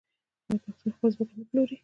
آیا پښتون خپله ځمکه نه پلوري؟